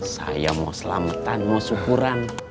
saya mau selamatan mau syukuran